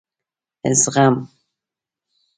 زغم ....